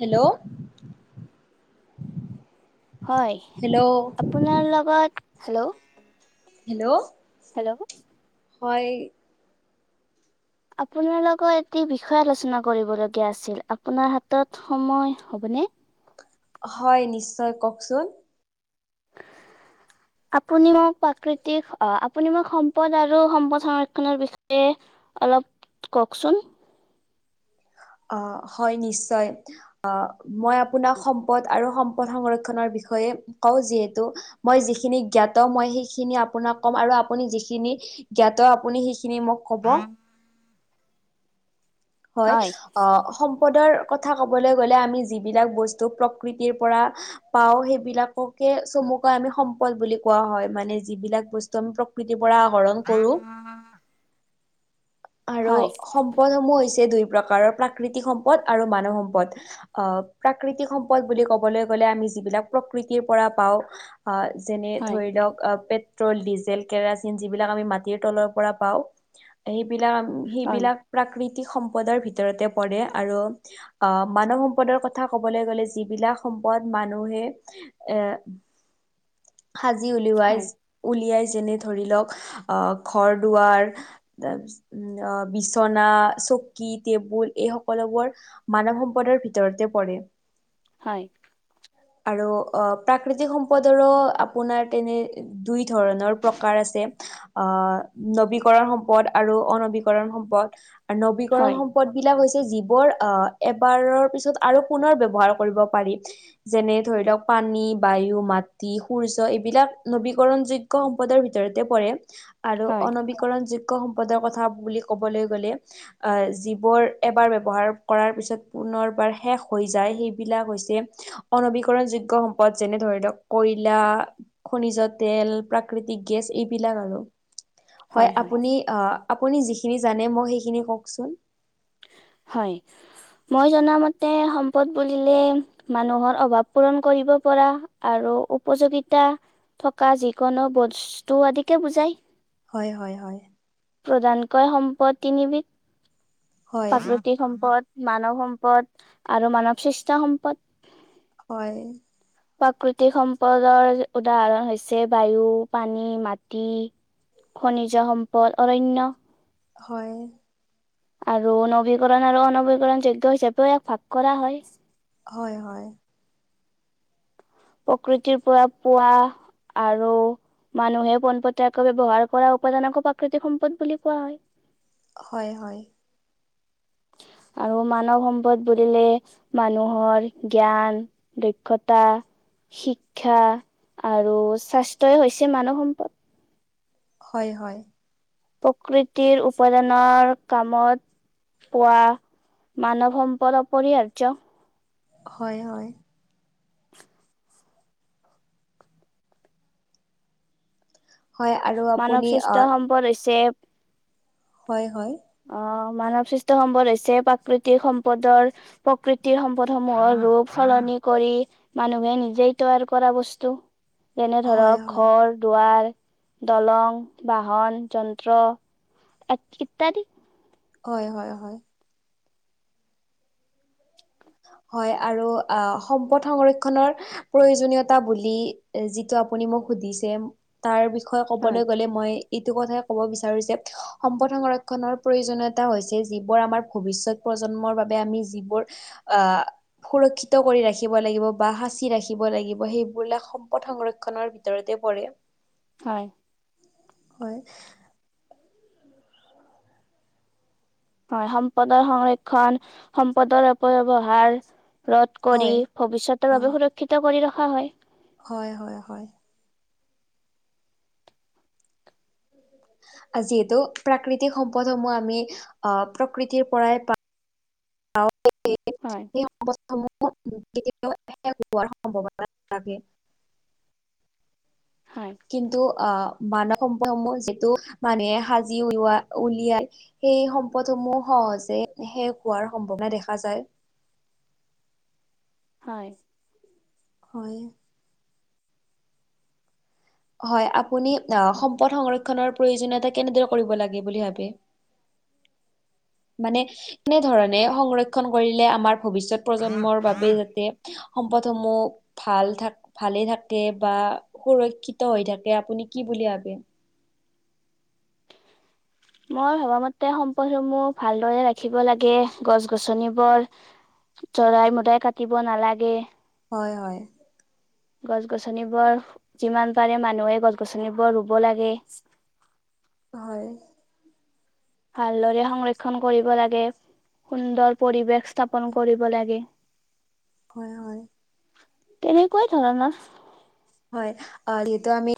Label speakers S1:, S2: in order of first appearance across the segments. S1: Hello.
S2: হয়
S1: hello
S2: আপোনাৰ লগত হেল্ল'।
S1: হেল্ল'।
S2: হেল্ল'।
S1: হয়।
S2: আপোনাৰ লগত এটি বিষয় আলোচনা কৰিবলগীয়া আছিল আপোনাৰ হাতত। সময় হ'বনে।
S1: হয়, নিশ্চয় কওঁকচোন।
S2: আপুনি মোক প্ৰাকৃতিক, অ আপুনি মোক সম্পদ আৰু সম্পদ সংৰক্ষণৰ বিষয়ে। অলপ কওঁকচোন।
S1: অ', হয় নিশ্চয়। অ', মই আপোনাক সম্পদ আৰু সম্পদ সংৰক্ষণৰ বিষয়ে কওঁ যিহেতু। মই যিখিনি জ্ঞাত, মই সেইখিনি আপোনাক ক'ম আৰু আপুনি যিখিনি জ্ঞাত, আপুনি সি। খিনি মোক ক'ব। হয়। অ সম। পদৰ কথা ক'বলৈ গ'লে, আমি যিবিলাক বস্তু প্ৰকৃতিৰ পৰা। পাওঁ, সেইবিলাককে চমুকৈ আমি সম্পদ বুলি কোৱা হয়, মানে যিবিলাক বস্তু আমি প্ৰকৃ। কৃতিৰ পৰা আহৰণ কৰোঁ। আৰু
S2: হয়,
S1: সম্পদসমূহ হৈছে দুই প্ৰকাৰৰ- প্ৰাকৃতিক সম্পদ আৰু মানৱ সম্পদ। অ প্ৰাকৃতিক সম্পদ বুলি ক'বলৈ গ'লে আমি যিবিলাক প্ৰকৃতিৰ পৰা পাওঁ। অ যেনে
S2: হয়,
S1: ধৰি লওক, পেট্ৰল, ডিজেল, কেৰাচিন যিবিলাক আমি মাটিৰ তলৰ পৰা পাওঁ। ইবিলাক
S2: হয়,
S1: সিবিলাক প্ৰাকৃতিক সম্পদৰ ভিতৰতে পৰে আৰু। অ', মানৱ সম্পদৰ কথা কবলৈ গ'লে যিবিলাক সম্পদ মানুহে। এ সাজি উলিওৱাই।
S2: হয়,
S1: উলিয়ায় যেনে ধৰি লওঁক অ ঘৰ-দুৱাৰ। অ বিচনা, চকী, টেবুল এই সকলোবোৰ। মানৱ সম্পদৰ ভিতৰতে পৰে।
S2: হয়।
S1: আৰু অ প্ৰাকৃতিক সম্পদৰো আপোনাৰ তেনে। দুই ধৰণৰ প্ৰকাৰ আছে। অ নৱীকৰণ সম্পদ আৰু। অনৱীকৰণ সম্পদ, নৱীকৰণ
S2: হয়,
S1: সম্পদ। সম্পদবিলাক হৈছে, যিবোৰ অহ, এবাৰৰ পিছত আৰু পুনৰ ব্যৱহাৰ কৰিব পাৰি। যেনে ধৰি লওক-পানী, বায়ু, মাটি, সূৰ্য এইবিলাক নৱীকৰণযোগ্য সম্পদৰ ভিতৰতে পৰে আৰু
S2: হয়,
S1: অনৱীকৰণযোগ্য সম্পদৰ কথা কথা বুলি ক'বলৈ গ'লে। অহ, যিবোৰ এবাৰ ব্যৱহাৰ কৰাৰ পিছত পুনৰবাৰ শেষ হৈ যায়, সেইবিলাক হৈছে অনৱীকৰণযোগ্য সম্পদ, যেনে ধৰি লওক, কয়লা, খনিজ তেল, প্ৰাকৃতিক গেছ এইবিলাক আৰু। হয়, আপুনি, আপুনি যিখিনি জানে মোক সেইখিনি কওঁকচোন।
S2: হয়। মই জনামতে সম্পদ বুলিলে। মানুহৰ অভাৱ পূৰণ কৰিব পৰা আৰু উপযোগিতা। থকা যিকোনো বস্তু আদিকে বুজায়।
S1: হয়, হয়, হয়।
S2: প্ৰধানকৈ সম্পদ তিনিবিধ।
S1: হয়
S2: পা ই সম্পদ, মানৱ সম্পদ আৰু মানৱ সৃষ্ট সম্পদ।
S1: হয়।
S2: প্ৰাকৃতিক সম্পদৰ উদাহৰণ হৈছে- বায়ু, পানী, মাটি। খনিজ সম্পদ, অৰণ্য।
S1: হয়।
S2: আৰু নৱীকৰণ আৰু অনৱীকৰণযোগ্য হিচাপেও ইয়াক ভাগ কৰা হয়।
S1: হয়, হয়।
S2: প্ৰকৃতিৰ পৰা পোৱা। আৰু মানুহে পোনপটীয়াকৈ ব্যৱহাৰ কৰা উপাদানকো প্ৰাকৃতিক সম্পদ বুলি কোৱা হয়।
S1: হয়, হয়।
S2: আৰু মানৱ সম্পদ বুলিলে মানুহৰ, জ্ঞান। দক্ষতা, শিক্ষা আৰু স্বাস্থ্যই হৈছে মানৱ সম্পদ।
S1: হয়, হয়।
S2: প্ৰকৃতিৰ উপাদানৰ কামত, পোৱা, মানৱ সম্পদ পৰিহাৰ্য।
S1: হয়, হয়। হয় আৰু
S2: মানৱ
S1: আপুনি
S2: স্বাস্থ্য
S1: আহ
S2: সম্পদ হৈছে।
S1: হয়, হয়।
S2: অ, মানৱ সৃষ্ট সম্পদ হৈছে, প্ৰাকৃতিক সম্পদৰ প্ৰকৃতিৰ সম্পদ সমূহৰ, ৰূপ সলনি কৰি মানুহে নিজেই তৈয়াৰ কৰা বস্তু যেনে,
S1: হয়
S2: ধৰক
S1: হয়
S2: ঘৰ-দুৱাৰ। দলং, বাহন, যন্ত্ৰ ইত্যাদি।
S1: হয়, হয়, হয়। হয়, আৰু সম্পদ সংৰক্ষণৰ প্ৰয়োজনীয়তা বুলি যিটো, আপুনি মোক সুধিছে। তাৰ বিষয়ে
S2: হয়
S1: ক'বলৈ গ'লে মই এইটো কথাই ক'ব বিচাৰো যে, সম্পদ সংৰক্ষণৰ প্ৰয়োজনীয়তা হৈছে যিবোৰ আমাৰ ভৱিষ্যত, প্ৰজন্মৰ বাবে আমি যিবোৰ, আহ সুৰক্ষিত কৰি ৰাখিব, লাগিব বা সাঁচি ৰাখিব লাগিব, সেইবিলাক সম্পদ সংৰক্ষণৰ ভিতৰতে পৰে।
S2: হয়।
S1: হয়।
S2: হয় সম্পদৰ সংৰক্ষণ সম্পদৰ অপব্যৱহাৰ ৰদ কৰি
S1: হয়
S2: ভৱিষ্যতৰ
S1: হয়
S2: বাবে সুৰক্ষিত কৰি ৰখা হয়।
S1: হয় হয় হয় যিহেতু প্ৰাকৃতিক সম্পদ সমূহ আমি আহ প্ৰকৃতিৰ পৰাই পাওঁ
S2: হয়
S1: [unintelligible] [unintelligible]
S2: হয়
S1: কিন্তু অ মানৱ সম্পদসমূহ যিটো মানুহে সাজি উলিওৱা উলিয়াই সেই সম্পদ সমূহ সহজে শেষ হোৱাৰ সম্ভাৱনা দেখা যায়।
S2: হয়
S1: হয় হয় আপুনি আ সম্পদ সংক্ষণৰ প্ৰয়োজনীয়তা কেনেদৰে কৰিব লাগে বুলি ভাবে মানে কেনেধৰণে সংৰক্ষন কৰিলে আমাৰ ভৱিষ্যত প্ৰজন্মৰ বাবে যাতে সম্পদ সমূহ ভাল থা ভালে থাকে বা সুৰক্ষিত হৈ থাকে আপুনি কি বুলি ভাবে
S2: মই ভবা মতে সম্পদসমূহ ভালদৰে ৰাখিব লাগে গছ-গছনিবোৰ। জদাই মদাই কাটিব নালাগে।
S1: হয়, হয়
S2: গছ-গছনিবোৰ যিমান পাৰে মানুহে গছ গছনিবোৰ ৰুব লাগে।
S1: হয়,
S2: ভালদৰে সংৰক্ষন কৰিব লাগে। সুন্দৰ পৰিৱেশ স্থাপন কৰিব লাগে।
S1: হয়, হয়
S2: এনেকুৱাই ধৰণৰ।
S1: হয় অ যিহেতু আমি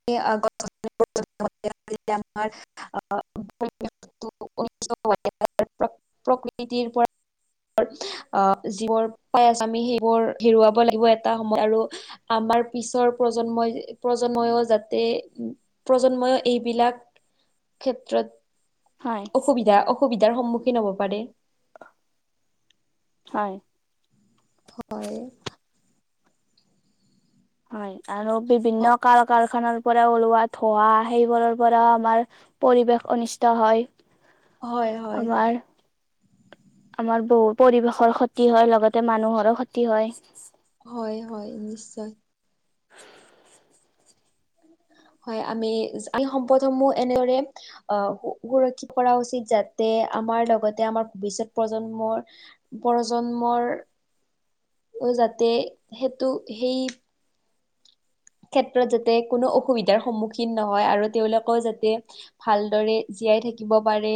S1: [unintelligible] [unintelligible] প্ৰকৃতিৰ পৰা আ যিবোৰ পাই আছো আমি সেইবোৰ হেৰুৱাব লাগিব এটা সময় আৰু আমাৰ পিছৰ প্ৰজন্মই প্ৰজন্মই যাতে প্ৰজন্মই এইবিলাক
S2: হয়
S1: ক্ষেত্ৰত অসুবিধা অসুবিধাৰ সন্মুখীন হ'ব পাৰে।
S2: হয়
S1: হয়
S2: হয় আৰু বিভিন্ন
S1: অ-
S2: কাৰ কাৰখানাৰ পৰা ওলোৱা ধূৱা সেইবোৰৰ পৰাও আমাৰ পৰিৱেশ অনিষ্ট হয়
S1: হয় হয়
S2: আমাৰ আমাৰ বহু পৰিৱেশৰ ক্ষতি হয় লগতে মানুহৰো ক্ষতি হয়
S1: হয় হয় নিশ্চয়
S2: [inaudible]
S1: হয় আমি আমি সম্পদ সমূহ এনেদৰে আ সুৰক্ষিত কৰা উচিত যাতে আমাৰ লগতে আমাৰ ভৱিষ্যত প্ৰজন্মৰ প্ৰজন্মৰ যাতে সেইটো সেই ক্ষেত্ৰত যাতে কোনো অসুবিধাৰ সন্মুখীন নহয় আৰু তেওঁলোকেও যাতে ভালদৰে জীয়াই থাকিব পাৰে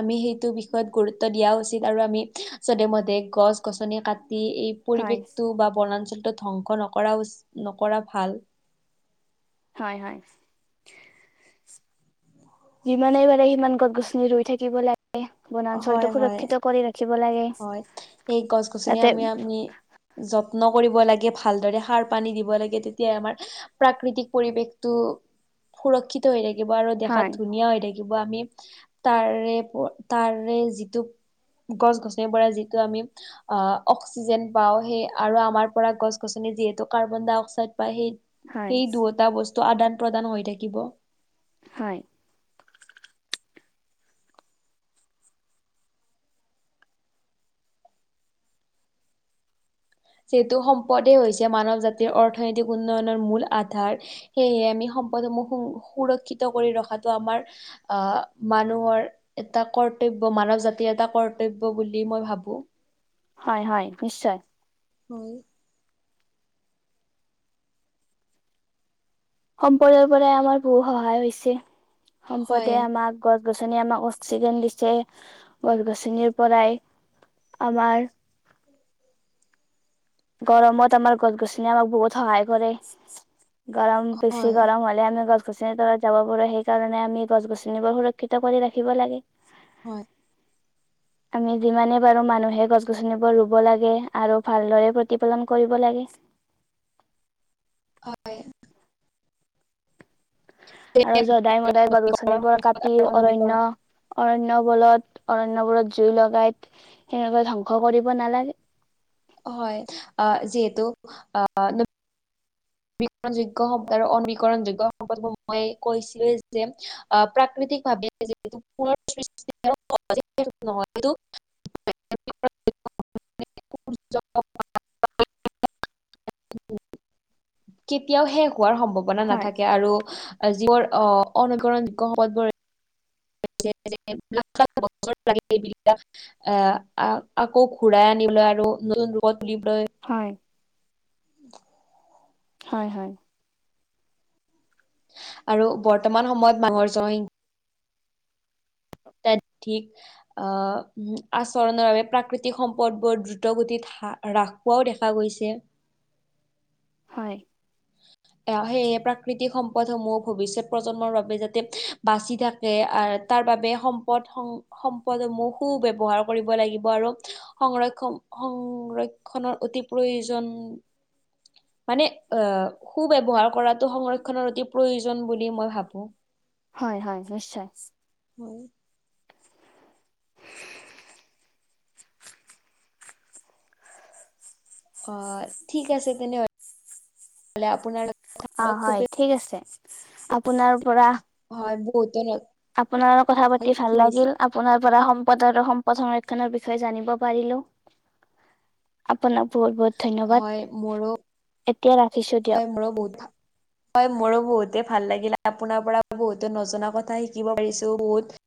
S1: আমি সেইটো বিষয়ত গুৰুত্ব দিয়া উচিত আৰু আমি চধে মধে গছ গছনি কাটি এই
S2: হয়
S1: পৰিৱেশটো বা বনাঞ্চলটো ধ্বংস নকৰা-নকৰা ভাল।
S2: হয়-হয়। যিমানেই পাৰে সিমান গছ-গছনি ৰুই থাকিব লাগে।
S1: হয়
S2: বনাঞ্চলটো
S1: হয়
S2: সুৰক্ষিত কৰি ৰাখিব লাগে।
S1: হয় সেই গছ গছনি
S2: তাতে
S1: আমি আমি যত্ন কৰিব লাগে ভালদৰে সাৰ পানী দিব লাগে তেতিয়াই আমাৰ প্ৰাকৃতিক পৰিৱেশটো সুৰক্ষিত হৈ থাকিব আৰু
S2: হয়
S1: দেখাত ধুনীয়া হৈ থাকিব আমি, তাৰে তাৰে যিটো, গছ -গছনি পৰা যিটো আমি আহ', অক্সিজেন পাওঁ সেই আৰু আমাৰ পৰা গছ- গছনি যিহেতু কাৰ্বন ডাই অক্সাইড পায় সেই
S2: হয়
S1: সেই দুয়োটা বস্তু আদান প্ৰদান হৈ থাকিব।
S2: হয়।
S1: যিহেতু সম্পদেই হৈছে মানৱ জাতিৰ অৰ্থনৈতিক উন্নয়নৰ মূল আধাৰ। সেয়েহে আমি সম্পদসমূহ সুৰক্ষিত কৰি ৰখাটো আমাৰ আহ', মানুহৰ এটা কৰ্তব্য মানৱ জাতিৰ এটা কৰ্তব্য বুলি মই ভাবো।
S2: হয়-হয় নিশ্চয়।
S1: হয়।
S2: সম্পদৰ পৰাই আমাৰ বহুত সহায় হৈছে, সম্পদে আমাক গছ- গছনি আমাক অক্সিজেন দিছে, গছ-গছনিৰ পৰাই আমাৰ গৰমত আমাৰ গছ-গছনি আমাক বহুত সহায় কৰে, গৰম বেছি
S1: হয়
S2: গৰম হ'লে যে আমি গছ-গছনি তলত যাব পাৰো সেইকাৰণে আমি গছ-গছনিবোৰ সুৰক্ষিত কৰি ৰাখিব লাগে।
S1: হয়।
S2: আমি যিমানে পাৰো মানুহে গছ-গছনিবোৰ ৰুব লাগে আৰু ভালদৰে প্ৰতিপালন কৰিব লাগে।
S1: হয়।
S2: আৰু যদাই-মদাই গছ-গছনিবোৰ কাটি
S1: অনবীকৰণ
S2: অৰণ্য অৰণ্য বলত, অৰণ্যবোৰত জুই লগাই, সেনেকে ধ্বংস কৰিব নালাগে।
S1: হয়, আহ', যিহেতু, আ', - বীকৰণ যোগ্য শব্দ আৰু অনৱীকৰণ যোগ্য সম্পদসমূহে মই কৈছিলহি যে আহ', প্ৰাকৃতিক ভাৱে [inaudible] [unintelligible] [unintelligible] কেতিয়াও শেষ হোৱাৰ সম্ভাৱনা
S2: হয়
S1: নাথাকে আৰু যিবোৰ অনবীকৰণ যোগ্য সম্পদবোৰ [unintelligible] এ আকৌ ঘূৰাই আনিবলৈ আৰু নতুন ৰোগত তুলিবলৈ।
S2: হয়।
S1: উম।
S2: হয় হয়।
S1: আৰু বৰ্তমান সময়ত মানুহৰ জন তেট ঠিক। আহ', উম, আচৰণৰ বাবে প্ৰাকৃতিক সম্পদবোৰ দ্ৰুত গতিত ৰাসোৱাও দেখা গৈছে।
S2: হয়। [inaudible]
S1: সেয়ে প্ৰাকৃতিক সম্পদসমূহ ভৱিষ্যত প্ৰজন্মৰ বাবে যাতে বাচি থাক এ, তাৰ বাবে সম্পদ-সম্পদসমূহ সু ব্যৱহাৰ কৰিব লাগিব আৰু সংৰক্ষণ সংৰক্ষণৰ অতি প্ৰয়োজন মানে অ, সু ব্যৱহাৰ কৰাটো সংৰক্ষণৰ অতি প্ৰয়োজন বুলি মই ভাবোঁ।
S2: হয় হয় বিশ্বাচ
S1: হুম অ' ঠিক আছে তেনেহল আপোনাৰ লগ
S2: আ, হয় ঠিক আছে, আপোনাৰ পৰা
S1: হয়, বহুতে ন
S2: আপোনাৰ ল কথা
S1: হয়
S2: পাতি
S1: কি
S2: ভাল
S1: কৈছে
S2: লাগিল। আপোনাৰ পৰা সম্পদ আৰু সম্পদৰ সংৰক্ষণ বিষয়ে জানিব পাৰিলো। আপোনাক বহুত বহুত ধন্যবাদ,
S1: হয় মোৰো
S2: এতিয়া ৰাখিছোঁ দিয়ক।
S1: হয় মোৰো বহুত ভা হয় মোৰো বহুতে ভাল লাগিলে আপোনাৰ পৰা বহুতো নজনা কথা শিকিব পাৰিছো বহুত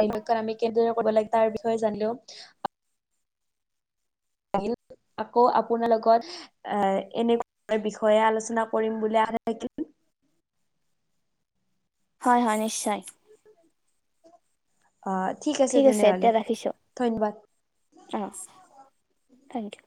S1: আমি কেনেদৰে কৰিব লাগে তাৰ বিষয়ে জানিলোঁ। আহিল আকৌ আপোনাৰ লগত এ, এনে বিষয়ে আলোচনা কৰিম বুলি আশা থাকিল।
S2: হয় হয় নিশ্চয়।
S1: অ' ঠিক আছে তেনেহ'লে ধন্যবাদ।
S2: অ' থেংক ইউ।